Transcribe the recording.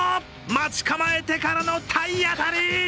待ち構えてからの体当たり。